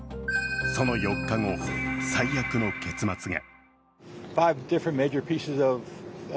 その４日後、最悪の結末が。